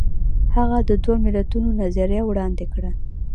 هغه د دوه ملتونو نظریه وړاندې کړه.